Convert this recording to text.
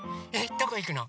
「どこいくの」？